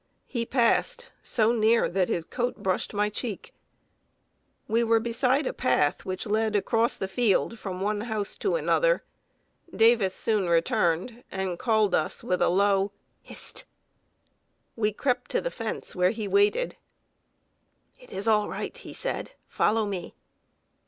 He passed so near, that his coat brushed my cheek. We were beside a path which led across the field from one house to another. Davis soon returned, and called us with a low "Hist!" We crept to the fence where he waited. "It is all right," he said; "follow me."